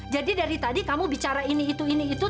jadi dari tadi kamu bicara ini itu itu tuh